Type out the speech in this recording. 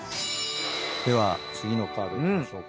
では次のカードいきましょうか。